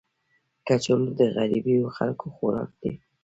کچالو د غریبو خلکو خوراک دی